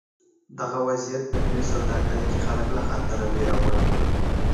دغه وضعیت په نوې سوداګرۍ کې خلک له خطره وېرول.